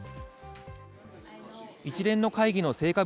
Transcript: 一連の会議の成果